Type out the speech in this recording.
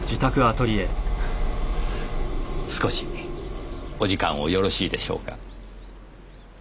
少しお時間をよろしいでしょうか？